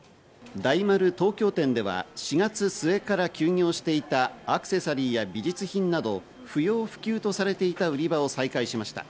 大丸東京店では４月末から休業していたアクセサリーや美術品など不要不急とされていた売り場を再開しました。